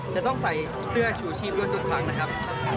จะต้องใส่เสื้อชูชีพด้วยทุกครั้งนะครับ